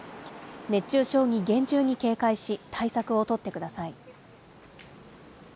熱中症に厳重に警戒し、対策を取ってください。